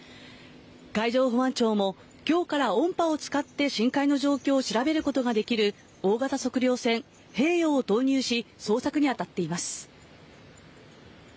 海上保安庁も、きょうから音波を使って深海の状況を調べることができる、大型測量船平洋を投入し、捜索に当たっています。